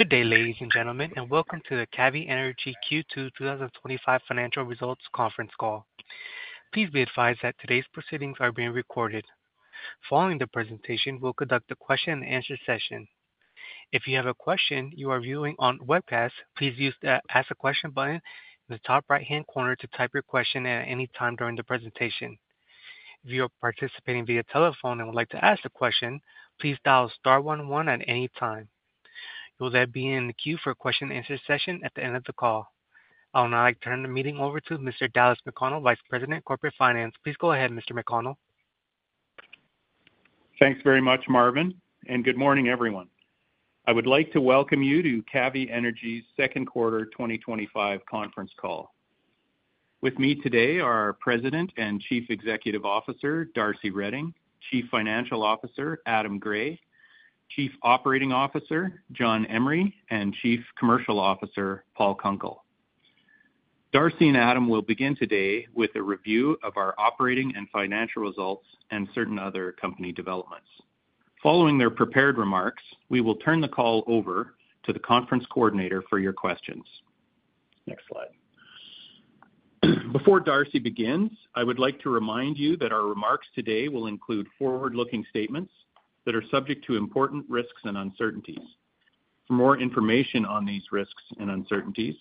Good day, ladies and gentlemen, and welcome to the Cavvy Energy Q2 2025 Financial Results Conference Call. Please be advised that today's proceedings are being recorded. Following the presentation, we'll conduct a question and answer session. If you have a question you are viewing on Webcast, please use the "Ask a Question" button in the top right-hand corner to type your question at any time during the presentation. If you are participating via telephone and would like to ask a question, please dial star one one at any time. You will then be in the queue for a question and answer session at the end of the call. I will now like to turn the meeting over to Mr. Dallas McConnell, Vice President, Corporate Finance. Please go ahead, Mr. McConnell. Thanks very much, Marvin, and good morning, everyone. I would like to welcome you to Cavvy Energy's Second Quarter 2025 Conference Call. With me today are President and Chief Executive Officer, Darcy Reding, Chief Financial Officer, Adam Gray, Chief Operating Officer, John Emery, and Chief Commercial Officer, Paul Kunkel. Darcy and Adam will begin today with a review of our operating and financial results and certain other company developments. Following their prepared remarks, we will turn the call over to the conference coordinator for your questions. Next slide. Before Darcy begins, I would like to remind you that our remarks today will include forward-looking statements that are subject to important risks and uncertainties. For more information on these risks and uncertainties,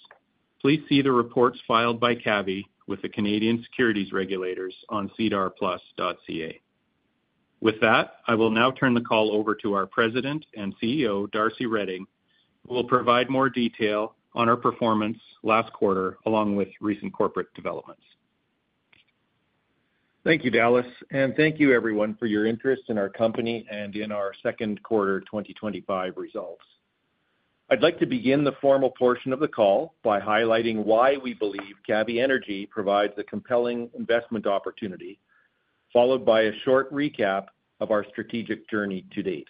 please see the reports filed by Cavvy with the Canadian Securities Regulators on sedarplus.ca. With that, I will now turn the call over to our President and CEO, Darcy Reding, who will provide more detail on our performance last quarter, along with recent corporate developments. Thank you, Dallas, and thank you, everyone, for your interest in our company and in our second quarter 2025 results. I'd like to begin the formal portion of the call by highlighting why we believe Cavvy Energy provides a compelling investment opportunity, followed by a short recap of our strategic journey to date.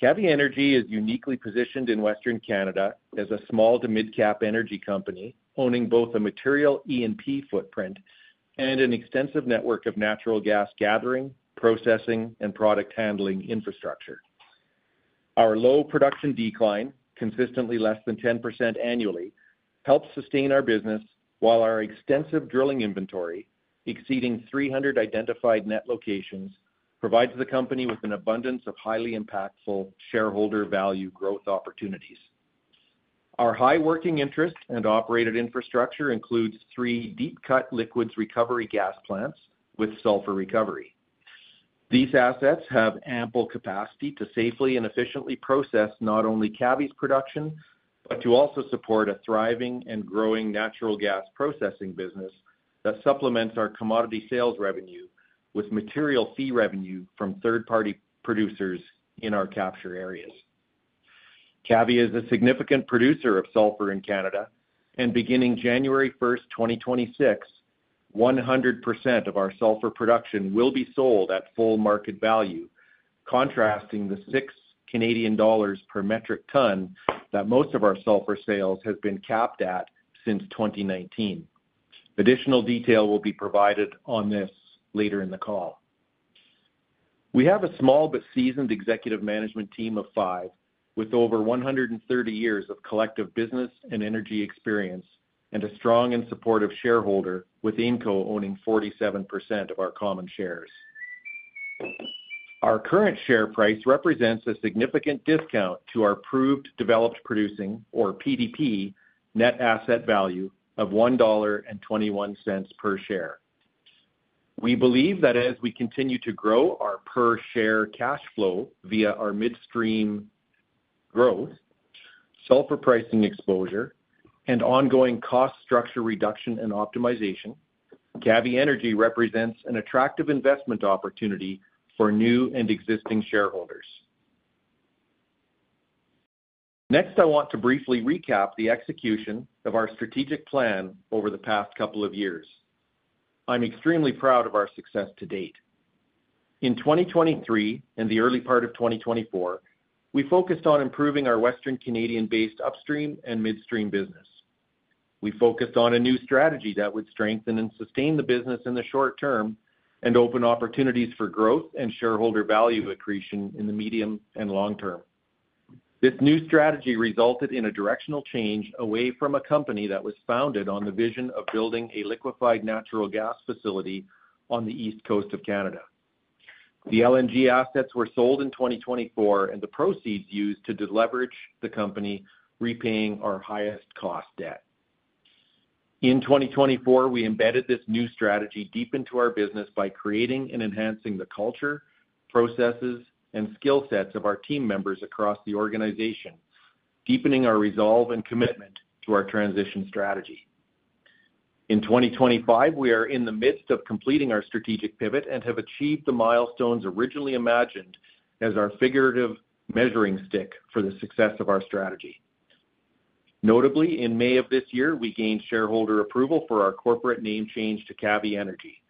Cavvy Energy is uniquely positioned in Western Canada as a small to mid-cap energy company owning both a material E&P footprint and an extensive network of natural gas gathering, processing, and product handling infrastructure. Our low production decline, consistently less than 10% annually, helps sustain our business, while our extensive drilling inventory, exceeding 300 identified net locations, provides the company with an abundance of highly impactful shareholder value growth opportunities. Our high working interest and operated infrastructure includes three deep-cut liquids recovery gas plants with sulfur recovery. These assets have ample capacity to safely and efficiently process not only Cavvy's production, but to also support a thriving and growing natural gas processing business that supplements our commodity sales revenue with material fee revenue from third-party producers in our capture areas. Cavvy is a significant producer of sulfur in Canada, and beginning January 1st 2026, 100% of our sulfur production will be sold at full market value, contrasting the 6 Canadian dollars per metric ton that most of our sulfur sales have been capped at since 2019. Additional detail will be provided on this later in the call. We have a small but seasoned executive management team of five, with over 130 years of collective business and energy experience, and a strong and supportive shareholder with INCO owning 47% of our common shares. Our current share price represents a significant discount to our approved developed producing, or PDP, net asset value of $1.21 per share. We believe that as we continue to grow our per share cash flow via our midstream growth, sulfur pricing exposure, and ongoing cost structure reduction and optimization, Cavvy Energy represents an attractive investment opportunity for new and existing shareholders. Next, I want to briefly recap the execution of our strategic plan over the past couple of years. I'm extremely proud of our success to date. In 2023 and the early part of 2024, we focused on improving our Western Canadian-based upstream and midstream business. We focused on a new strategy that would strengthen and sustain the business in the short term and open opportunities for growth and shareholder value accretion in the medium and long term. This new strategy resulted in a directional change away from a company that was founded on the vision of building a liquefied natural gas facility on the east coast of Canada. The LNG assets were sold in 2024, and the proceeds used to deleverage the company and repay our highest cost debt. In 2024, we embedded this new strategy deep into our business by creating and enhancing the culture, processes, and skill sets of our team members across the organization, deepening our resolve and commitment to our transition strategy. In 2025, we are in the midst of completing our strategic pivot and have achieved the milestones originally imagined as our figurative measuring stick for the success of our strategy. Notably, in May of this year, we gained shareholder approval for our corporate name change to Cavvy Energy.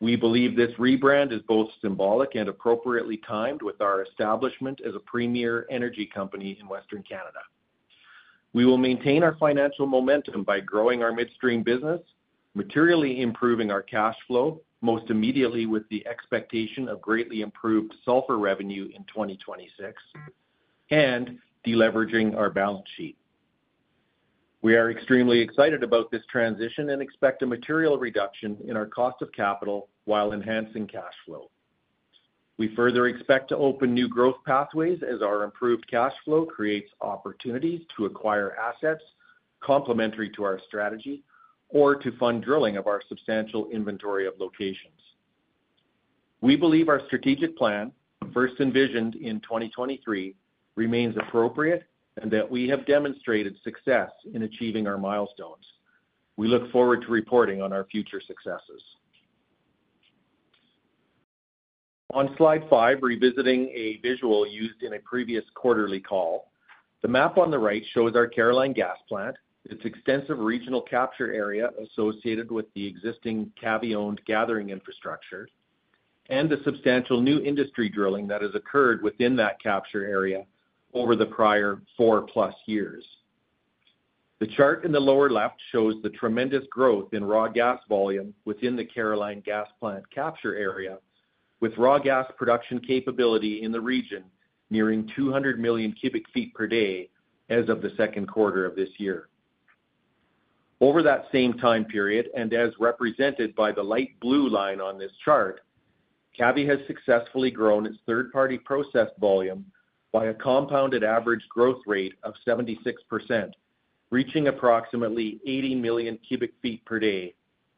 We believe this rebrand is both symbolic and appropriately timed with our establishment as a premier energy company in Western Canada. We will maintain our financial momentum by growing our midstream business, materially improving our cash flow, most immediately with the expectation of greatly improved sulfur revenue in 2026, and deleveraging our balance sheet. We are extremely excited about this transition and expect a material reduction in our cost of capital while enhancing cash flow. We further expect to open new growth pathways as our improved cash flow creates opportunities to acquire assets complementary to our strategy or to fund drilling of our substantial inventory of locations. We believe our strategic plan, first envisioned in 2023, remains appropriate and that we have demonstrated success in achieving our milestones. We look forward to reporting on our future successes. On slide five, revisiting a visual used in a previous quarterly call, the map on the right shows our Caroline gas plant, its extensive regional capture area associated with the existing Cavvy-owned gathering infrastructure, and the substantial new industry drilling that has occurred within that capture area over the prior 4+ years. The chart in the lower left shows the tremendous growth in raw gas volume within the Caroline gas plant capture area, with raw gas production capability in the region nearing 200 million cu ft per day as of the second quarter of this year. Over that same time period, and as represented by the light blue line on this chart, Cavvy has successfully grown its third-party process volume by a compounded average growth rate of 76%, reaching approximately 80 million cu ft per day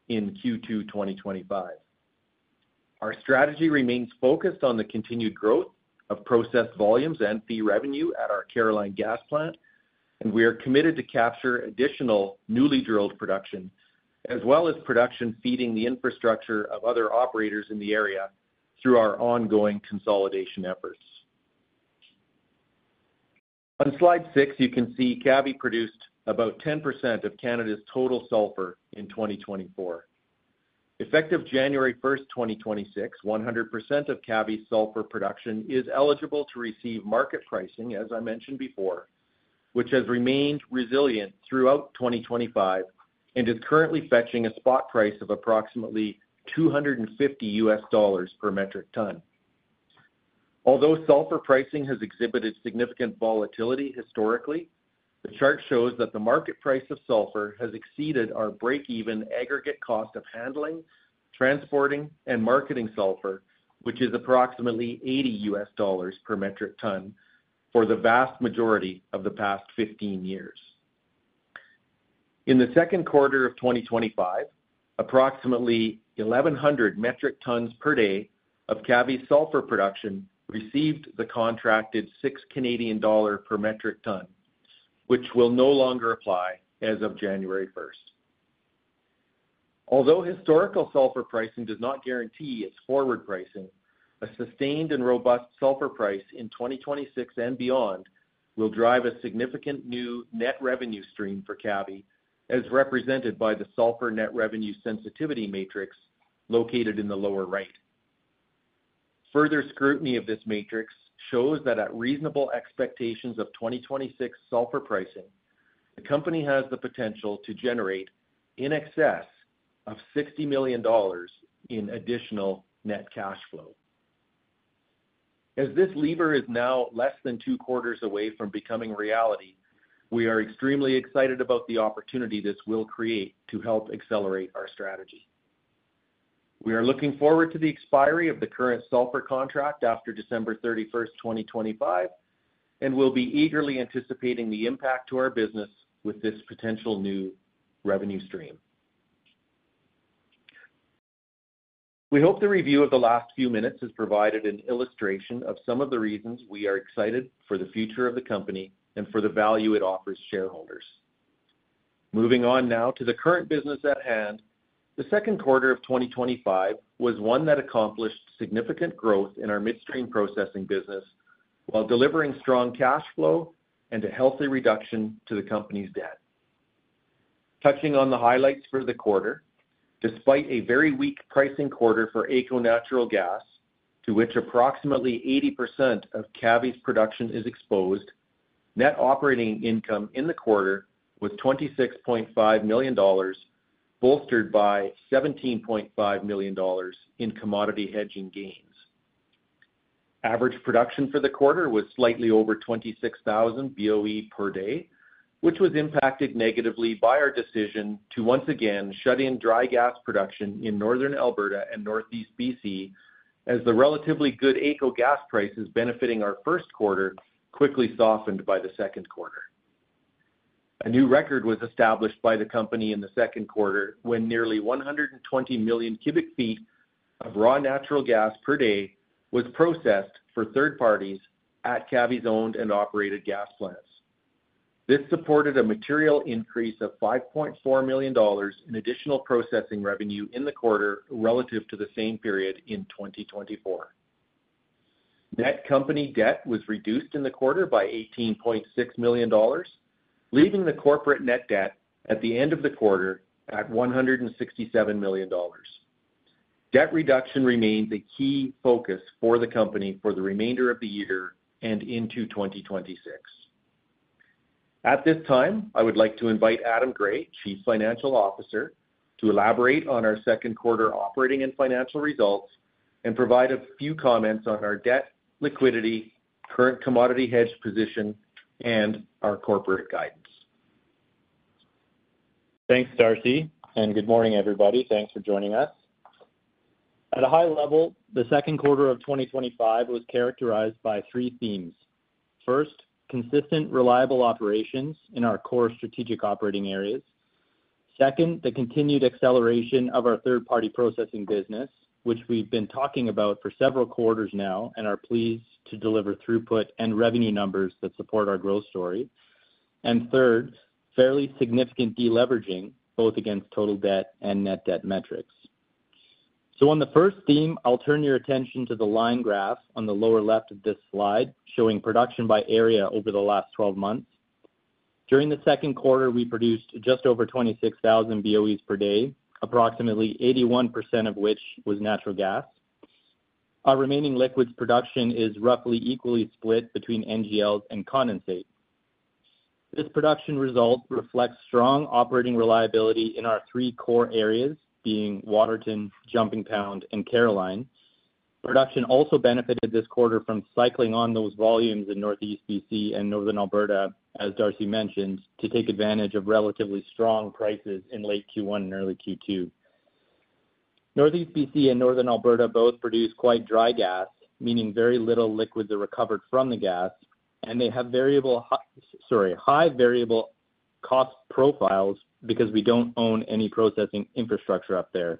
in Q2 2025. Our strategy remains focused on the continued growth of process volumes and fee revenue at our Caroline gas plant, and we are committed to capture additional newly drilled production, as well as production feeding the infrastructure of other operators in the area through our ongoing consolidation efforts. On slide six, you can see Cavvy produced about 10% of Canada's total sulfur in 2024. Effective January 1st 2026, 100% of Cavvy's sulfur production is eligible to receive market pricing, as I mentioned before, which has remained resilient throughout 2025 and is currently fetching a spot price of approximately $250 per metric ton. Although sulfur pricing has exhibited significant volatility historically, the chart shows that the market price of sulfur has exceeded our break-even aggregate cost of handling, transporting, and marketing sulfur, which is approximately $80 per metric ton for the vast majority of the past 15 years. In the second quarter of 2025, approximately 1,100 metric tons per day of Cavvy's sulfur production received the contracted 6 Canadian dollar per metric ton, which will no longer apply as of January 1st. Although historical sulfur pricing does not guarantee its forward pricing, a sustained and robust sulfur price in 2026 and beyond will drive a significant new net revenue stream for Cavvy, as represented by the sulfur net revenue sensitivity matrix located in the lower right. Further scrutiny of this matrix shows that at reasonable expectations of 2026 sulfur pricing, the company has the potential to generate in excess of 60 million dollars in additional net cash flow. As this lever is now less than two quarters away from becoming reality, we are extremely excited about the opportunity this will create to help accelerate our strategy. We are looking forward to the expiry of the current sulfur contract after December 31st 2025, and we'll be eagerly anticipating the impact to our business with this potential new revenue stream. We hope the review of the last few minutes has provided an illustration of some of the reasons we are excited for the future of the company and for the value it offers shareholders. Moving on now to the current business at hand, the second quarter of 2025 was one that accomplished significant growth in our midstream processing business while delivering strong cash flow and a healthy reduction to the company's debt. Touching on the highlights for the quarter, despite a very weak pricing quarter for ECO Natural Gas, to which approximately 80% of Cavvy's production is exposed, net operating income in the quarter was 26.5 million dollars, bolstered by 17.5 million dollars in commodity hedging gains. Average production for the quarter was slightly over 26,000 BOE per day, which was impacted negatively by our decision to once again shut in dry gas production in Northern Alberta and Northeast BC, as the relatively good ECO gas prices benefiting our first quarter quickly softened by the second quarter. A new record was established by the company in the second quarter when nearly 120 million cu ft of raw natural gas per day was processed for third parties at Cavvy Energy's owned and operated gas plants. This supported a material increase of 5.4 million dollars in additional processing revenue in the quarter relative to the same period in 2024. Net company debt was reduced in the quarter by 18.6 million dollars, leaving the corporate net debt at the end of the quarter at 167 million dollars. Debt reduction remains a key focus for the company for the remainder of the year and into 2026. At this time, I would like to invite Adam Gray, Chief Financial Officer, to elaborate on our second quarter operating and financial results and provide a few comments on our debt, liquidity, current commodity hedge position, and our corporate guidance. Thanks, Darcy, and good morning, everybody. Thanks for joining us. At a high level, the second quarter of 2025 was characterized by three themes. First, consistent, reliable operations in our core strategic operating areas. Second, the continued acceleration of our third-party processing business, which we've been talking about for several quarters now and are pleased to deliver throughput and revenue numbers that support our growth story. Third, fairly significant deleveraging both against total debt and net debt metrics. On the first theme, I'll turn your attention to the line graph on the lower left of this slide showing production by area over the last 12 months. During the second quarter, we produced just over 26,000 BOEs per day, approximately 81% of which was natural gas. Our remaining liquids production is roughly equally split between NGLs and condensate. This production result reflects strong operating reliability in our three core areas, being Waterton, Jumping Pound, and Caroline. Production also benefited this quarter from cycling on those volumes in Northeast BC and Northern Alberta, as Darcy mentioned, to take advantage of relatively strong prices in late Q1 and early Q2. Northeast BC and Northern Alberta both produce quite dry gas, meaning very little liquids are recovered from the gas, and they have high variable cost profiles because we don't own any processing infrastructure up there.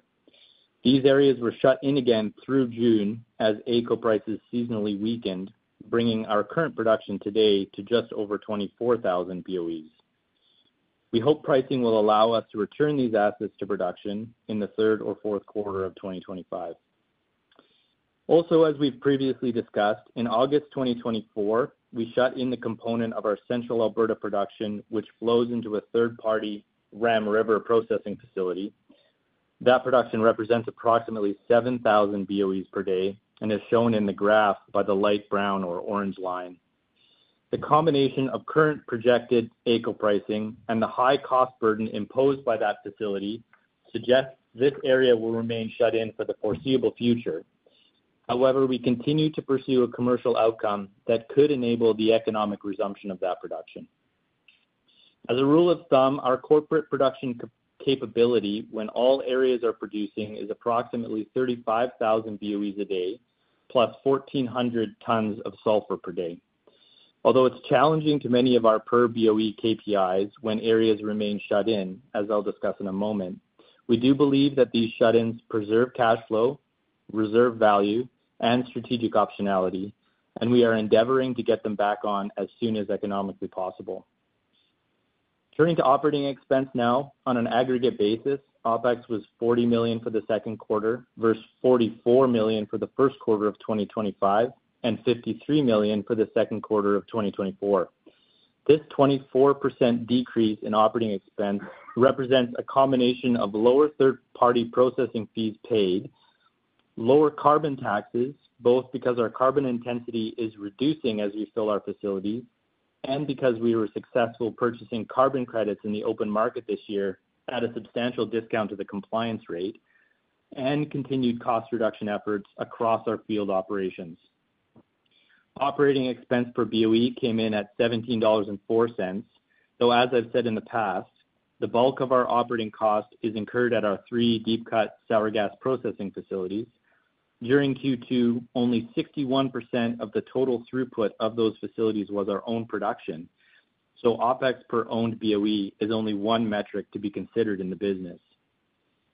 These areas were shut in again through June as AECO prices seasonally weakened, bringing our current production today to just over 24,000 BOEs. We hope pricing will allow us to return these assets to production in the third or fourth quarter of 2025. Also, as we've previously discussed, in August 2024, we shut in the component of our central Alberta production, which flows into a third-party Ram River processing facility. That production represents approximately 7,000 BOEs per day, as shown in the graph by the light brown or orange line. The combination of current projected AECO pricing and the high cost burden imposed by that facility suggests this area will remain shut in for the foreseeable future. However, we continue to pursue a commercial outcome that could enable the economic resumption of that production. As a rule of thumb, our corporate production capability when all areas are producing is approximately 35,000 BOEs a day, plus 1,400 tons of sulfur per day. Although it's challenging to measure many of our per BOE KPIs when areas remain shut in, as I'll discuss in a moment, we do believe that these shut-ins preserve cash flow, reserve value, and strategic optionality, and we are endeavoring to get them back on as soon as economically possible. Turning to operating expense now, on an aggregate basis, OPEX was 40 million for the second quarter versus 44 million for the first quarter of 2025 and 53 million for the second quarter of 2024. This 24% decrease in operating expense represents a combination of lower third-party processing fees paid, lower carbon taxes, both because our carbon intensity is reducing as we fill our facilities, and because we were successful purchasing carbon credits in the open market this year at a substantial discount to the compliance rate, and continued cost reduction efforts across our field operations. Operating expense per BOE came in at 17.04 dollars, though as I've said in the past, the bulk of our operating cost is incurred at our three deep-cut sour gas processing facilities. During Q2, only 61% of the total throughput of those facilities was our own production, so OPEX per owned BOE is only one metric to be considered in the business.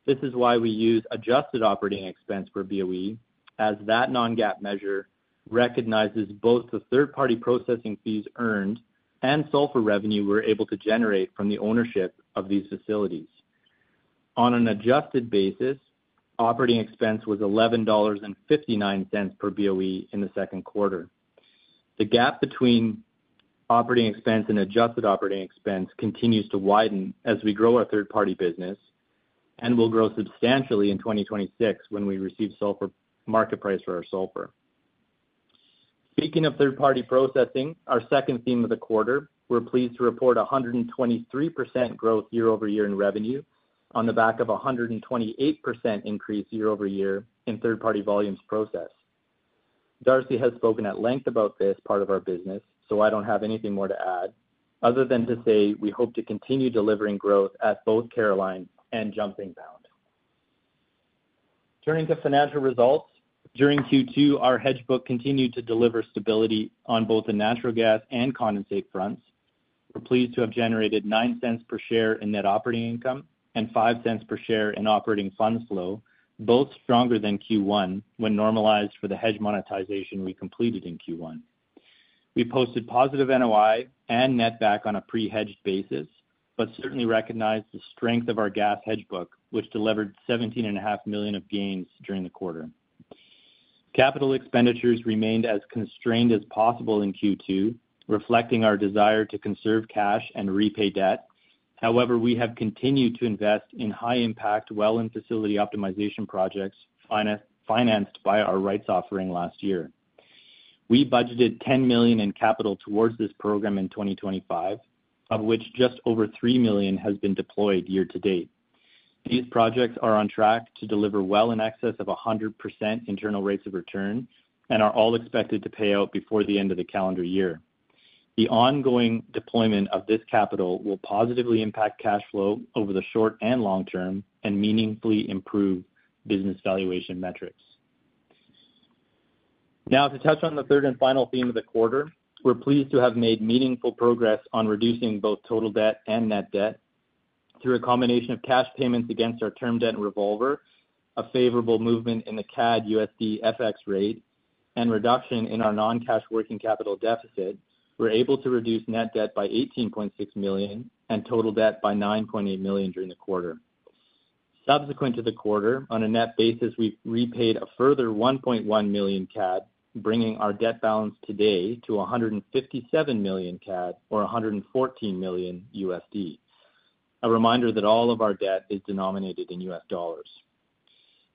This is why we use adjusted operating expense per BOE, as that non-GAAP measure recognizes both the third-party processing fees earned and sulfur revenue we're able to generate from the ownership of these facilities. On an adjusted basis, operating expense was 11.59 dollars per BOE in the second quarter. The gap between operating expense and adjusted operating expense continues to widen as we grow our third-party business and will grow substantially in 2026 when we receive sulfur market price for our sulfur. Speaking of third-party processing, our second theme of the quarter, we're pleased to report 123% growth year-over-year in revenue on the back of a 128% increase year-over-year in third-party volumes processed. Darcy has spoken at length about this part of our business, so I don't have anything more to add other than to say we hope to continue delivering growth at both Caroline and Jumping Pound. Turning to financial results, during Q2, our hedge book continued to deliver stability on both the natural gas and condensate fronts. We're pleased to have generated 0.09 per share in net operating income and 0.05 per share in operating funds flow, both stronger than Q1 when normalized for the hedge monetization we completed in Q1. We posted positive NOI and net back on a pre-hedged basis, but certainly recognize the strength of our gas hedge book, which delivered 17.5 million of gains during the quarter. Capital expenditures remained as constrained as possible in Q2, reflecting our desire to conserve cash and repay debt. However, we have continued to invest in high-impact, well-in facility optimization projects financed by our rights offering last year. We budgeted 10 million in capital towards this program in 2025, of which just over 3 million has been deployed year to date. These projects are on track to deliver well in excess of 100% internal rates of return and are all expected to pay out before the end of the calendar year. The ongoing deployment of this capital will positively impact cash flow over the short and long term and meaningfully improve business valuation metrics. Now, to touch on the third and final theme of the quarter, we're pleased to have made meaningful progress on reducing both total debt and net debt. Through a combination of cash payments against our term debt revolver, a favorable movement in the CAD USD FX rate, and reduction in our non-cash working capital deficit, we're able to reduce net debt by 18.6 million and total debt by 9.8 million during the quarter. Subsequent to the quarter, on a net basis, we've repaid a further 1.1 million CAD, bringing our debt balance today to 157 million CAD or $114 million. A reminder that all of our debt is denominated in US dollars.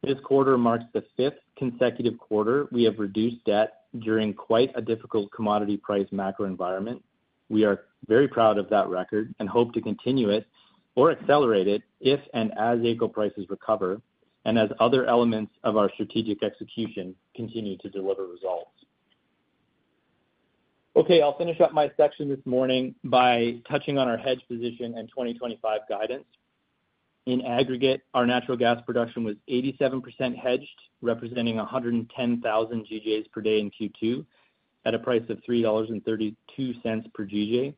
This quarter marks the fifth consecutive quarter we have reduced debt during quite a difficult commodity price macro environment. We are very proud of that record and hope to continue it or accelerate it if and as AECO prices recover and as other elements of our strategic execution continue to deliver results. Okay, I'll finish up my section this morning by touching on our hedge position and 2025 guidance. In aggregate, our natural gas production was 87% hedged, representing 110,000 GJs per day in Q2 at a price of 3.32 dollars per GJ.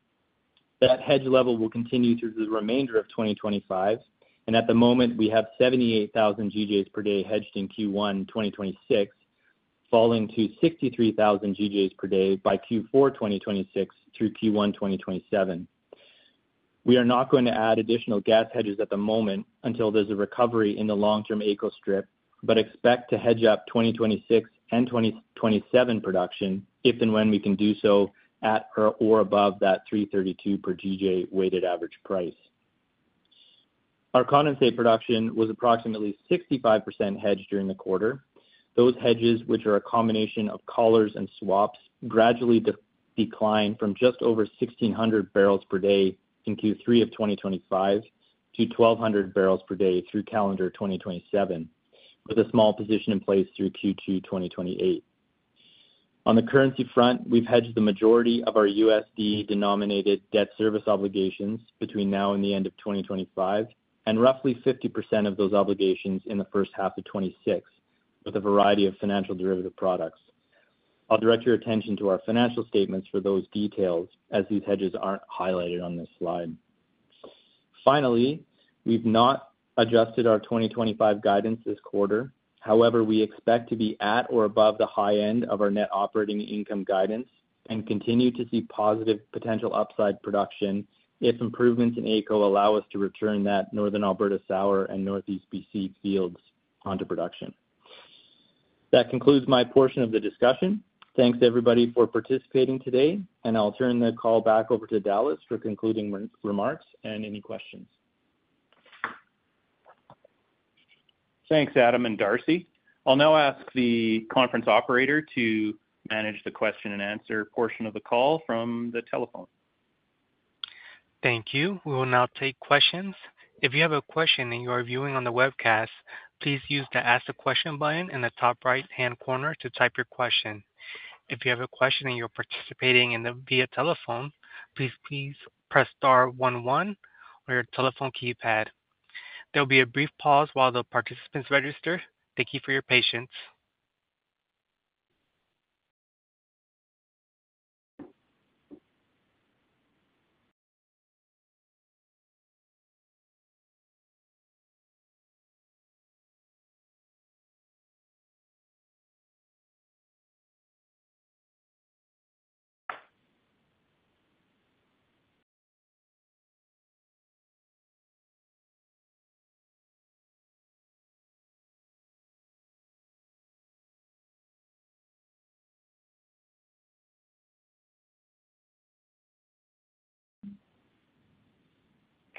That hedge level will continue through the remainder of 2025, and at the moment, we have 78,000 GJs per day hedged in Q1 2026, falling to 63,000 GJs per day by Q4 2026 through Q1 2027. We are not going to add additional gas hedges at the moment until there's a recovery in the long-term AECO strip, but expect to hedge up 2026 and 2027 production if and when we can do so at or above that 3.32 per GJ weighted average price. Our condensate production was approximately 65% hedged during the quarter. Those hedges, which are a combination of collars and swaps, gradually declined from just over 1,600 bbl per day in Q3 of 2025 to 1,200 bbl per day through calendar 2027, with a small position in place through Q2 2028. On the currency front, we've hedged the majority of our USD-denominated debt service obligations between now and the end of 2025, and roughly 50% of those obligations in the first half of 2026, with a variety of financial derivative products. I'll direct your attention to our financial statements for those details as these hedges aren't highlighted on this slide. Finally, we've not adjusted our 2025 guidance this quarter. However, we expect to be at or above the high end of our net operating income guidance and continue to see positive potential upside production if improvements in ECO allow us to return that Northern Alberta sour and Northeast BC fields onto production. That concludes my portion of the discussion. Thanks, everybody, for participating today, and I'll turn the call back over to Dallas for concluding remarks and any questions. Thanks, Adam and Darcy. I'll now ask the conference operator to manage the question and answer portion of the call from the telephone. Thank you. We will now take questions. If you have a question and you are viewing on the webcast, please use the "Ask a Question" button in the top right-hand corner to type your question. If you have a question and you're participating via telephone, please press star one one on your telephone keypad. There will be a brief pause while the participants register. Thank you for your patience.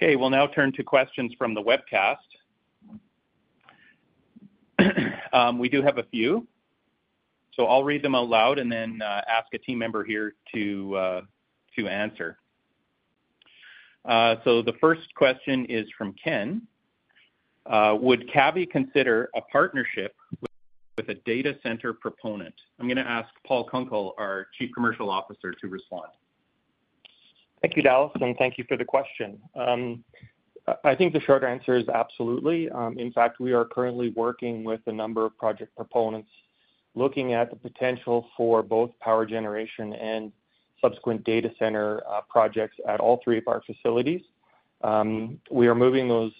Okay, we'll now turn to questions from the webcast. We do have a few, so I'll read them aloud and then ask a team member here to answer. The first question is from Ken. Would Cavvy consider a partnership with a data center proponent? I'm going to ask Paul Kunkel, our Chief Commercial Officer, to respond. Thank you, Dallas, and thank you for the question. I think the short answer is absolutely. In fact, we are currently working with a number of project proponents looking at the potential for both power generation and subsequent data center projects at all three of our facilities. We are moving those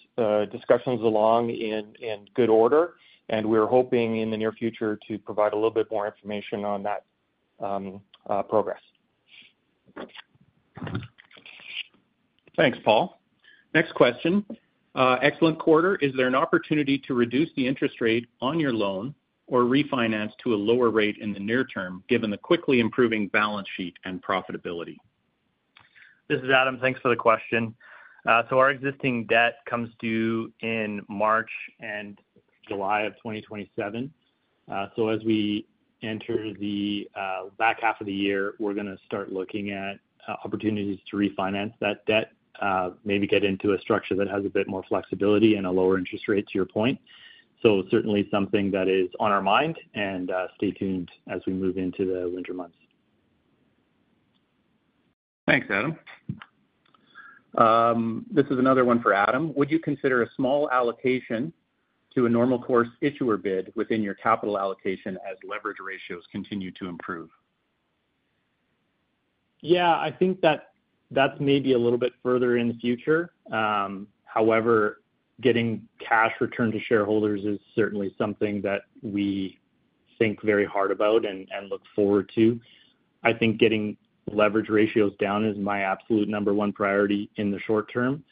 discussions along in good order, and we're hoping in the near future to provide a little bit more information on that progress. Thanks, Paul. Next question. Excellent quarter. Is there an opportunity to reduce the interest rate on your loan or refinance to a lower rate in the near term, given the quickly improving balance sheet and profitability? This is Adam. Thanks for the question. Our existing debt comes due in March and July of 2027. As we enter the back half of the year, we're going to start looking at opportunities to refinance that debt, maybe get into a structure that has a bit more flexibility and a lower interest rate to your point. It's certainly something that is on our mind, and stay tuned as we move into the winter months. Thanks, Adam. This is another one for Adam. Would you consider a small allocation to a normal course issuer bid within your capital allocation as leverage ratios continue to improve? I think that that's maybe a little bit further in the future. However, getting cash returned to shareholders is certainly something that we think very hard about and look forward to. I think getting leverage ratios down is my absolute number one priority in the short term.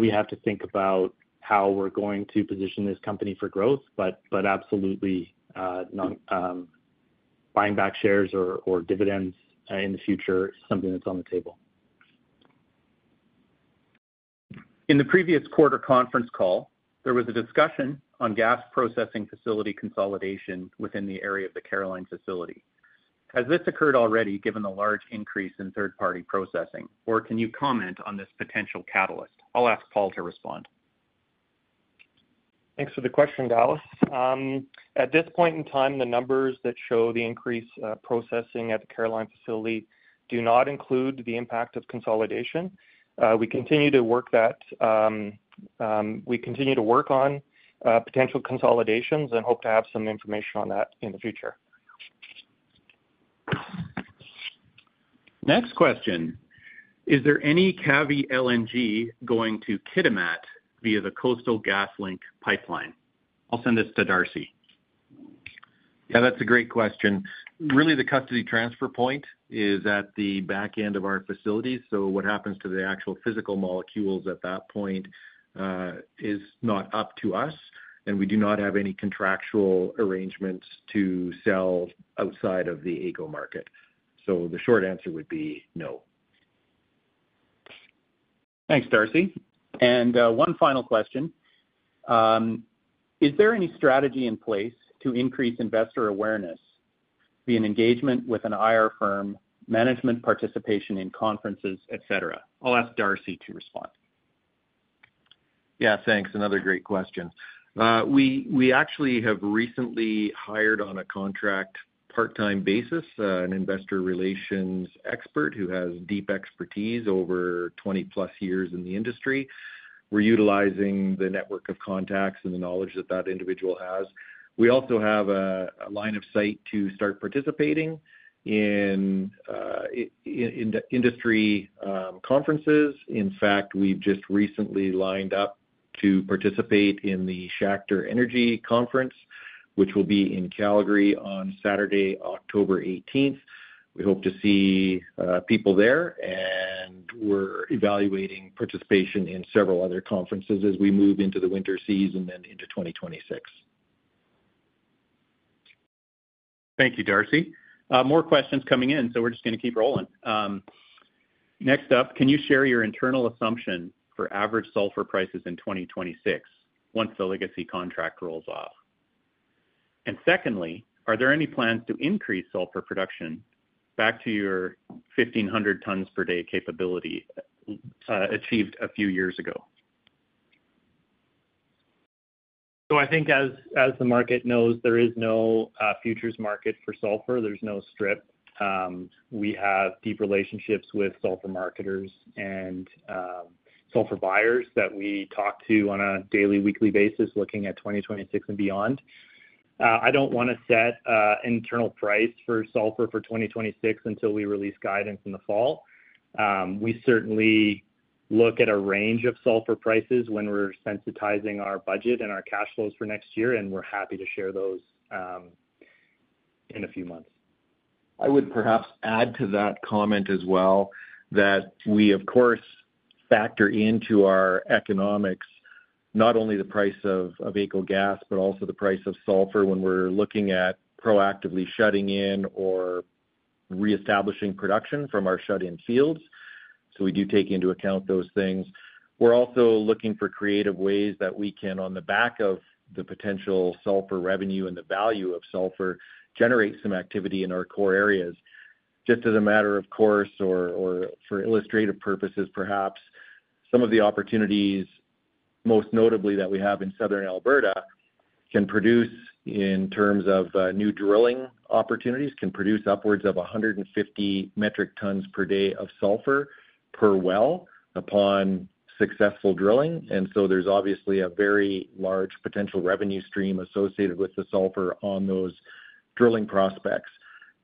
We have to think about how we're going to position this company for growth, but absolutely buying back shares or dividends in the future is something that's on the table. In the previous quarter conference call, there was a discussion on gas processing facility consolidation within the area of the Caroline facility. Has this occurred already given the large increase in third-party processing, or can you comment on this potential catalyst? I'll ask Paul to respond. Thanks for the question, Dallas. At this point in time, the numbers that show the increased processing at the Caroline gas plant do not include the impact of consolidation. We continue to work on potential consolidations and hope to have some information on that in the future. Next question. Is there any Cavvy LNG going to Kitimat via the Coastal GasLink pipeline? I'll send this to Darcy. Yeah. That's a great question. Really, the custody transfer point is at the back end of our facility. What happens to the actual physical molecules at that point is not up to us, and we do not have any contractual arrangements to sell outside of the ECO market. The short answer would be no. Thanks, Darcy. One final question. Is there any strategy in place to increase investor awareness, be it engagement with an IR firm, management participation in conferences, et cetera? I'll ask Darcy to respond. Yeah, thanks. Another great question. We actually have recently hired on a contract part-time basis an investor relations expert who has deep expertise over 20+ years in the industry. We're utilizing the network of contacts and the knowledge that that individual has. We also have a line of sight to start participating in industry conferences. In fact, we've just recently lined up to participate in the Schachter Energy Conference, which will be in Calgary on Saturday, October 18th. We hope to see people there, and we're evaluating participation in several other conferences as we move into the winter season and into 2026. Thank you, Darcy. More questions coming in, so we're just going to keep rolling. Next up, can you share your internal assumption for average sulfur prices in 2026 once the legacy contract rolls off? Secondly, are there any plans to increase sulfur production back to your 1,500 tons per day capability achieved a few years ago? I think as the market knows, there is no futures market for sulfur. There's no strip. We have deep relationships with sulfur marketers and sulfur buyers that we talk to on a daily, weekly basis, looking at 2026 and beyond. I don't want to set an internal price for sulfur for 2026 until we release guidance in the fall. We certainly look at a range of sulfur prices when we're sensitizing our budget and our cash flows for next year, and we're happy to share those in a few months. I would perhaps add to that comment as well that we, of course, factor into our economics not only the price of ECO gas, but also the price of sulfur when we're looking at proactively shutting in or reestablishing production from our shut-in fields. We do take into account those things. We're also looking for creative ways that we can, on the back of the potential sulfur revenue and the value of sulfur, generate some activity in our core areas. For illustrative purposes, perhaps some of the opportunities most notably that we have in Southern Alberta can produce in terms of new drilling opportunities, can produce upwards of 150 metric tons per day of sulfur per well upon successful drilling. There is obviously a very large potential revenue stream associated with the sulfur on those drilling prospects.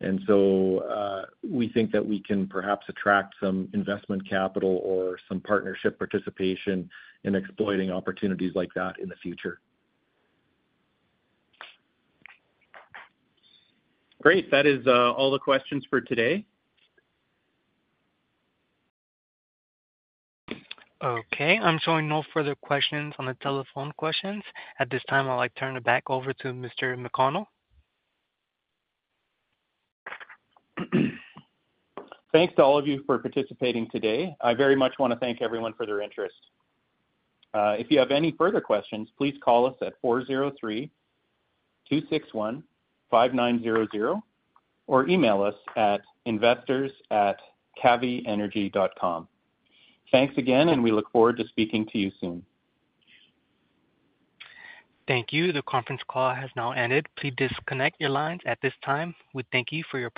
We think that we can perhaps attract some investment capital or some partnership participation in exploiting opportunities like that in the future. Great. That is all the questions for today. Okay, I'm showing no further questions on the telephone questions. At this time, I'll turn it back over to Mr. McConnell. Thanks to all of you for participating today. I very much want to thank everyone for their interest. If you have any further questions, please call us at 403-261-5900 or email us at investors@cavvyenergy.com. Thanks again, and we look forward to speaking to you soon. Thank you. The conference call has now ended. Please disconnect your lines at this time. We thank you for your time.